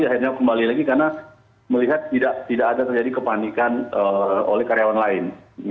akhirnya kembali lagi karena melihat tidak ada terjadi kepanikan oleh karyawan lain